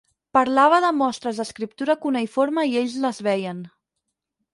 Parlava de mostres d'escriptura cuneïforme i ells les veien.